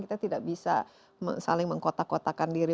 kita tidak bisa saling mengkotak kotakan diri